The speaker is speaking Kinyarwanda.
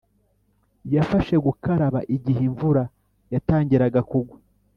yafashe gukaraba igihe imvura yatangiraga kugwa.